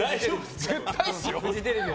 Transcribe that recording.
絶対っすよ。